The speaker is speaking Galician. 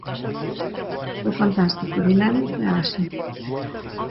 Foi fantástico, dinámico e áxil.